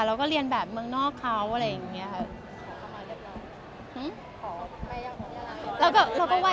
เราก็เรียนแบบเมืองนอกเขาอะไรอย่างนี้ค่ะ